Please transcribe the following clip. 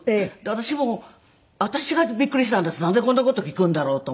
私も私がびっくりしたんですなんでこんな事聞くんだろうと。